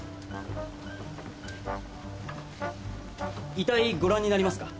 遺体ご覧になりますか？